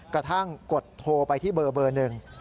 กระทั่งกดโทรไปที่เบอร์หนึ่ง